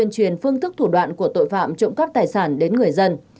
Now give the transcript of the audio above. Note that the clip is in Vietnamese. công an huyện phương thức thủ đoạn của tội phạm trộm cắp tài sản đến người dân